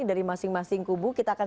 dari masing masing kubu kita akan